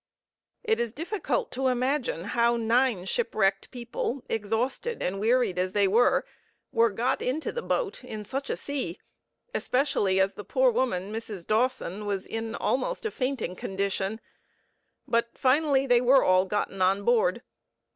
It is difficult to imagine how the nine shipwrecked people, exhausted and wearied as they were, were got into the boat in such a sea, especially as the poor woman, Mrs. Dawson, was in an almost fainting condition; but finally they were all gotten on board.